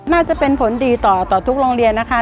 น่าจะเป็นผลดีต่อทุกโรงเรียนนะคะ